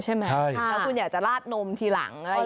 ถ้าคุณอยากจะลาดนมที่หลัง